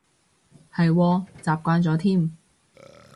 係喎，習慣咗添